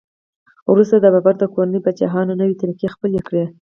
وروسته د بابر د کورنۍ پاچاهانو نوې طریقې خپلې کړې.